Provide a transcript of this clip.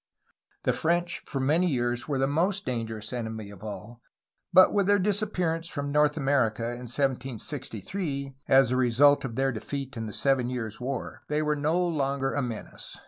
The French for many years were the most dangerous enemy of all, but with their disappearance from North America in 1763, as a result of their defeat in the Seven Years' War, they were no longer a menace.